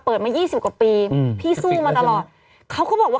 เปิดมา๒๐กว่าปีพี่สู้มาตลอดเขาก็บอกว่า